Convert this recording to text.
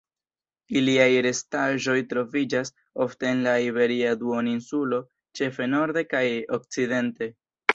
Iliaj restaĵoj troviĝas ofte en la Iberia Duoninsulo ĉefe norde kaj okcidente.